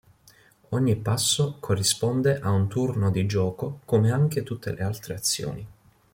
Ogni passo corrisponde a un turno di gioco come anche tutte le altre azioni.